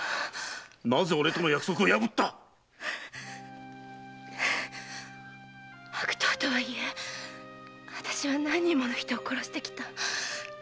なぜ俺との約束を破った⁉悪党とはいえあたしは何人もの人を殺してきた。